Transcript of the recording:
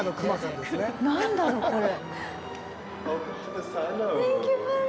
何だろう、これ。